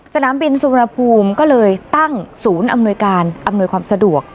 สนามบินสุวรรณภูมิก็เลยตั้งศูนย์อำนวยการอำนวยความสะดวก